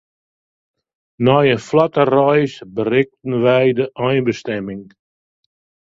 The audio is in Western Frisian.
Nei in flotte reis berikten wy de einbestimming.